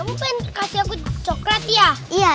kamu pengen kasih aku coklat ya